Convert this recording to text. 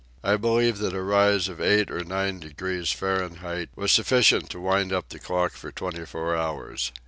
I believe that a rise of eight or nine degrees Fahrenheit was sufficient to wind up the clock for twenty four hours."